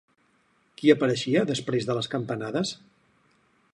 Qui apareixeria després de les campanades?